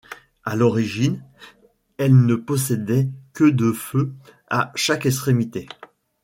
À l’origine, elles ne possédaient que deux feux à chaque extrémité.